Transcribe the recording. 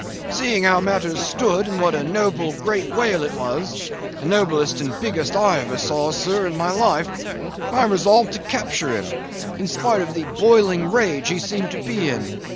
Seeing how matters stood, and what a noble great whale it was—the noblest and biggest I ever saw, sir, in my life—I resolved to capture him, spite of the boiling rage he seemed to be in.